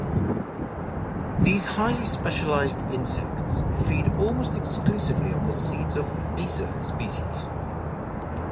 These highly specialized insects feed almost exclusively on the seeds of "Acer" species.